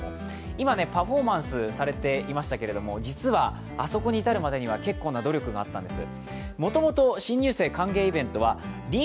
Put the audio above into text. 今パフォーマンスされていましたけれども、実はあそこに至るまでには結構な努力があったんです。